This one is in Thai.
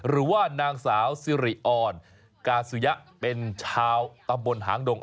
คุณออนกาสุยะเป็นชาวประบวนหางดง